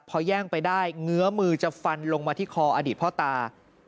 พอแย่งไปได้เงื้อมือจะฟันลงมาที่คออดีตพ่อตา